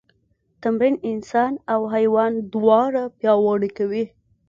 تمرین انسان او حیوان دواړه پیاوړي کوي.